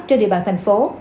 trên địa bàn thành phố